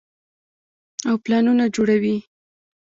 او پلانونه جوړوي -